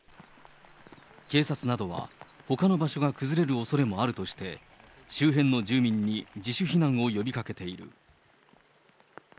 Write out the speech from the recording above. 警察などは、ほかの場所が崩れるおそれもあるとして、周辺の住民に自主避難を呼びかけている。